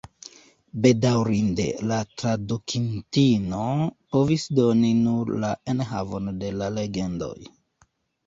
Bedaŭrinde, la tradukintino povis doni nur la enhavon de la legendoj.